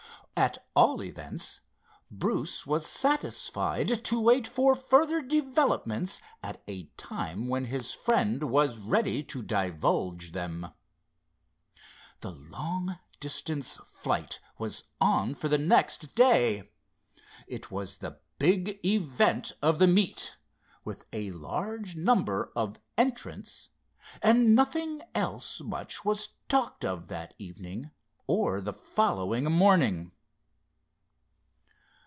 At all events, Bruce was satisfied to wait for further developments at a time when his friend was ready to divulge them. The long distance flight was on for the next day. It was the big event of the meet, with a large number of entrants, and nothing else much was talked of that evening or the following morning.